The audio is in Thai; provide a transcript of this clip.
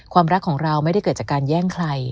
ความรักของเราไม่ได้เกิดจากการแย่งใคร